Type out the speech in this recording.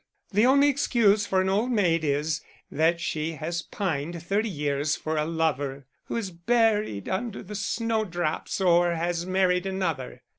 The only excuse for an old maid is, that she has pined thirty years for a lover who is buried under the snow drops, or has married another."